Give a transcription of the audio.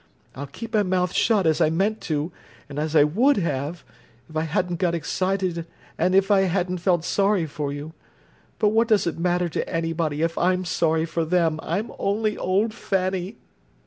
I'll keep my mouth shut as I meant to, and as I would have, if I hadn't got excited and if I hadn't felt sorry for you. But what does it matter to anybody if I'm sorry for them? I'm only old Fanny!"